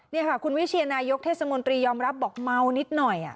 นี่ค่ะคุณวิเชียนายกเทศมนตรียอมรับบอกเมานิดหน่อย